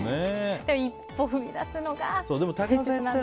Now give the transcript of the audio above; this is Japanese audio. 一歩踏み出すのが。